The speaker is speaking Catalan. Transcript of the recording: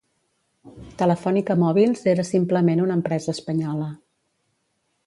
Telefònica Mòbils era simplement una empresa espanyola.